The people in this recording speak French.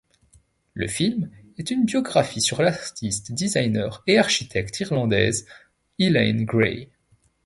Le film est une biographie sur l’artiste, designer et architecte irlandaise Eileen Gray.